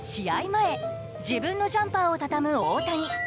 前、自分のジャンパーをたたむ大谷。